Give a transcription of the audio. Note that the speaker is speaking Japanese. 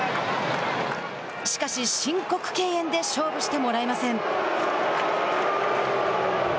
しかし、申告敬遠で勝負してもらえません。